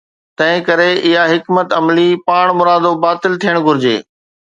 تنهن ڪري اها حڪمت عملي پاڻمرادو باطل ٿيڻ گهرجي.